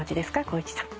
光一さん。